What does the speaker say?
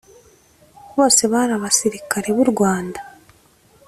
bose bari abasirikare b u rwanda